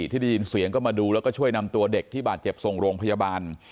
ที่ได้ยินเสียงก็มาดูแล้วก็ช่วยนำตัวเด็กที่บาดเจ็บส่งโรงพยาบาล